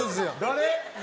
誰？